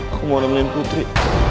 aku mau nembelin putri